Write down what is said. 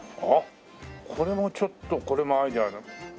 あっこれもちょっとこれもアイデアだ。